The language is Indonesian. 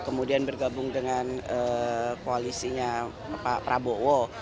kemudian bergabung dengan koalisinya pak prabowo